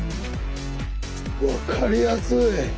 分かりやすい！